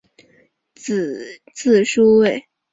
字叔胄。